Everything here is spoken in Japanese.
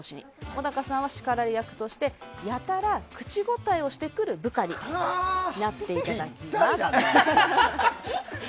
小高さんは叱られ役としてやたら口答えをしてくる部下になっていただきます。